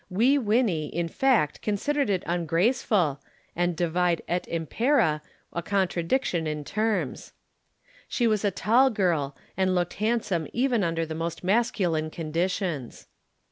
Wee Winnie in fact considered it ungraceful and Divide et Impera a contradiction in terms. She was a tall girl, and looked handsome even under the most masculine conditions.